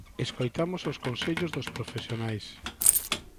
Escoitamos os consellos dos profesionais.